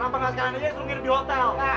kenapa gak sekarang aja isungir di hotel